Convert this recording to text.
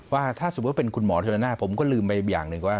ว่าถ้าสมมุติว่าเป็นคุณหมอรัชญานาคผมก็ลืมไปอีกอย่างนึงว่า